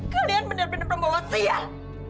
kalian bener bener pembawa sial